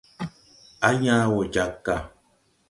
Á yãã wo jag ga.